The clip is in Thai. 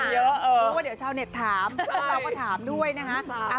เพราะว่าเดี๋ยวชาวเน็ตถามเราก็ถามด้วยนะคะ